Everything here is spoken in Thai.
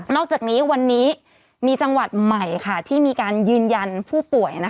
อกจากนี้วันนี้มีจังหวัดใหม่ที่มีการยืนยันผู้ป่วย